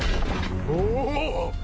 おお。